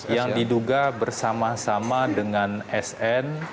yang diduga bersama sama dengan sn